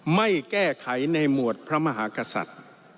ไม่แก้ไขในหมวดพระมหากษัตริย์